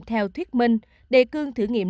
theo thuyết minh đề cương thử nghiệm